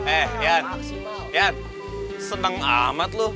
eh yan yan seneng amat lu